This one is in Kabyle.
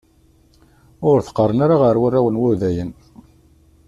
Ur t-qeṛṛen ara ar warraw n wudayen.